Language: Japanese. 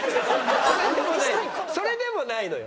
それでもないのよ。